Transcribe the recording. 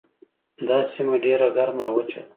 دا سیمه ډیره ګرمه او وچه ده.